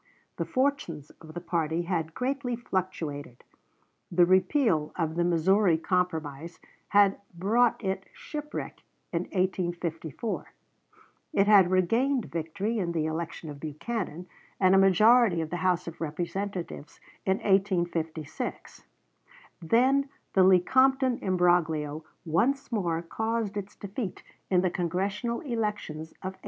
The fortunes of the party had greatly fluctuated. The repeal of the Missouri Compromise had brought it shipwreck in 1854; it had regained victory in the election of Buchanan, and a majority of the House of Representatives in 1856; then the Lecompton imbroglio once more caused its defeat in the Congressional elections of 1858.